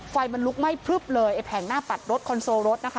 ไฟมันลุกไหม้พลึบเลยไอ้แผงหน้าปัดรถคอนโซลรถนะคะ